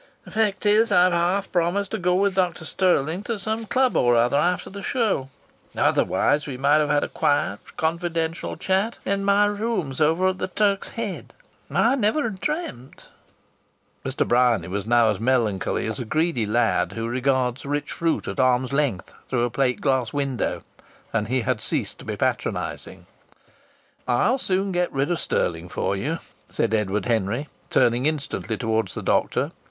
"The fact is, I've half promised to go with Dr Stirling to some club or other after the show. Otherwise we might have had a quiet, confidential chat in my rooms over at the Turk's Head. I never dreamt " Mr. Bryany was now as melancholy as a greedy lad who regards rich fruit at arm's length through a plate glass window, and he had ceased to be patronizing. "I'll soon get rid of Stirling for you," said Edward Henry, turning instantly towards the doctor.